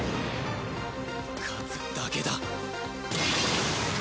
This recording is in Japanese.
勝つだけだ！